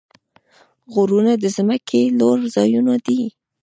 غرونه د ځمکې لوړ ځایونه دي.